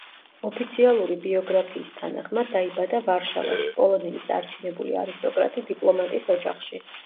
ოფიციალური ბიოგრაფიის თანახმად, დაიბადა ვარშავაში პოლონელი წარჩინებული არისტოკრატი დიპლომატის ოჯახში.